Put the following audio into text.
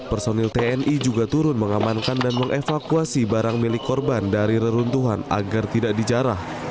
personil tni juga turun mengamankan dan mengevakuasi barang milik korban dari reruntuhan agar tidak dijarah